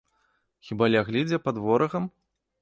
Хіба ляглі дзе пад ворагам?